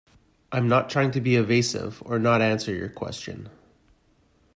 I'm not trying to be evasive or not answer your question.